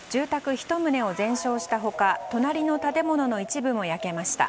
１棟を全焼した他隣の建物の一部も焼けました。